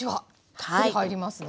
たっぷり入りますね。